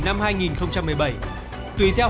năm hai nghìn một mươi bảy tùy theo